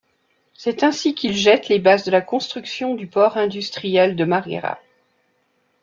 C’est ainsi qu’il jette les bases de la construction du port industriel de Marghera.